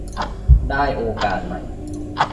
ได้โอกาสใหม่